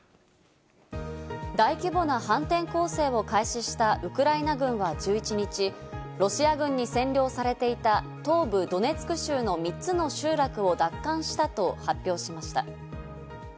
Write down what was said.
大規模な反転攻勢を開始したウクライナ軍は１１日、ロシア軍に占領されていた東部ドネツク州の３つの集落を奪還したと発表しました。